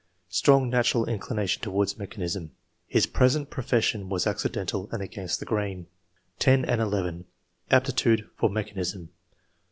Strong natural inclination towards mechanism/' [His present profession was accidental and against the grain]. 10 and 11. "Aptitude for mechanism."